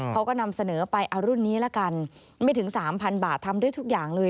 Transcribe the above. เขาก็นำเสนอไปเอารุ่นนี้ละกันไม่ถึงสามพันบาททำได้ทุกอย่างเลย